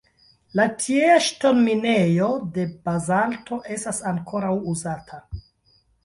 La tiea ŝtonminejo de bazalto estas ankoraŭ uzata.